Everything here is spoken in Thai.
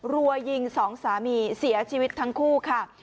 รัวยิงสองสามีเสียชีวิตทั้งคู่ค่ะ